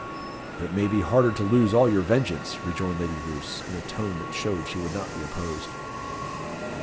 "It may be harder to lose all your vengeance," rejoined Lady Roos, in a tone that showed she would not be opposed.